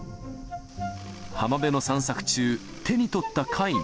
浜辺の散策中、手に取った貝に。